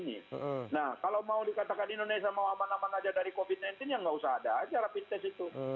nah kalau mau dikatakan indonesia mau aman aman aja dari covid sembilan belas ya nggak usah ada aja rapid test itu